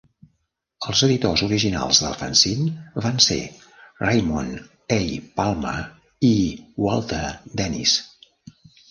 Els editors originals del fanzín van ser Raymond A. Palmer i Walter Dennis.